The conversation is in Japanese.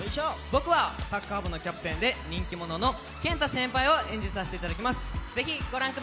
僕はサッカー部のキャプテンで人気者の健太先輩を演じさせていただきます。